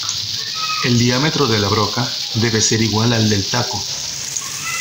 El diámetro de la broca debe ser igual al del taco.